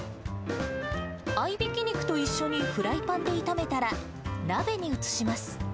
合いびき肉と一緒にフライパンで炒めたら、鍋に移します。